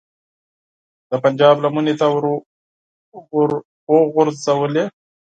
د پنجاب لمنې ته وروغورځولې.